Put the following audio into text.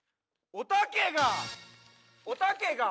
「おたけが」